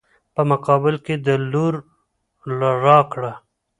په مقابل کې د لور راکړه.